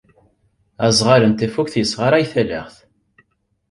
Aẓɣal n tafukt yessɣaray talaɣt.